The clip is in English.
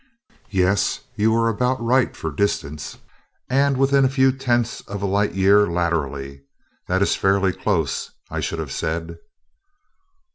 "Yes. You were about right for distance, and within a few tenths of a light year laterally. That is fairly close, I should have said."